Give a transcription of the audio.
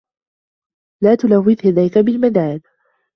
لَا تَلَوِّثْ يَدَيْكَ بِالْمِدَادِ.